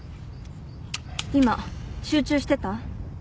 今集中してた？